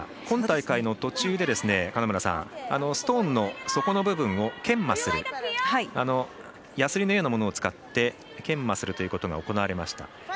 今大会の途中でストーンのそこの部分を研磨するやすりのようなものを使って研磨するということが行われました。